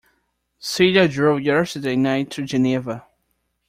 Celia drove yesterday night to Geneva.